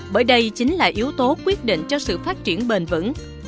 bởi đây chính là yếu tố quyết định cho sự phát triển bền vững